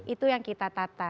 itu yang kita tata